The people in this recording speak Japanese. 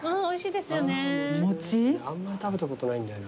あんまり食べたことないんだよな。